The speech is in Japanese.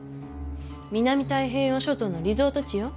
南太平洋諸島のリゾート地よ。